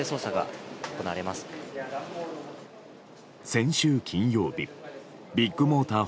先週金曜日ビッグモーター